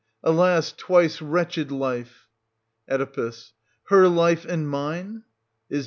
Alas, twice 330 wretched life ! Oe. Her life and mine ? Is.